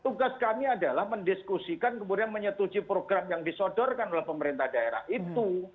tugas kami adalah mendiskusikan kemudian menyetujui program yang disodorkan oleh pemerintah daerah itu